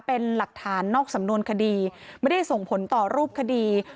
เป็นหลักฐานนอกสำนวนคดีไม่ได้ส่งผลต่อรูปคดี